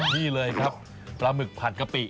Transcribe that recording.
นี่เลยครับปลาหมึกผัดกะปิ